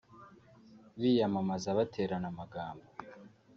Biyamamaza baterana amagambo